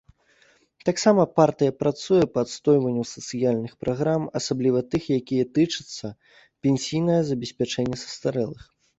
Таксама партыя працуе па адстойванню сацыяльных праграм, асабліва тых, якія тычацца пенсійнага забеспячэння састарэлых.